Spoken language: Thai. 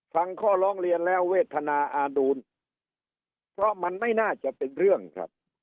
ฟังข้อร้องเรียนแล้วเวทนาอาดูลเพราะมันไม่น่าจะเป็นเรื่องครับ